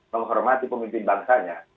menghormati pemimpin bangsanya